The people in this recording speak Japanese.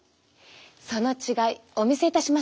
その違いお見せいたしましょう！